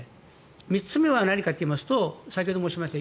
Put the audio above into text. ３つ目は何かといいますと先ほど申しました